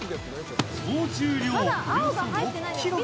総重量およそ６ｋｇ。